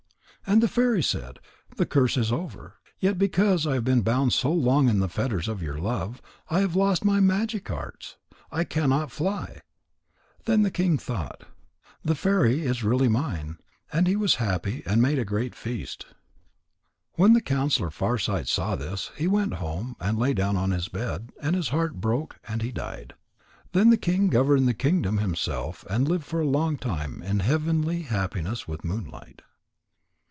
And the fairy said: "The curse is over. Yet because I have been bound so long in the fetters of your love, I have lost my magic arts. I cannot fly." Then the king thought: "The fairy is really mine," and he was happy and made a great feast. When the counsellor Farsight saw this, he went home, and lay down on his bed, and his heart broke, and he died. Then the king governed the kingdom himself, and lived for a long time in heavenly happiness with Moonlight.